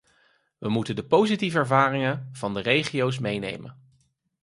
We moeten de positieve ervaringen van de regio's meenemen.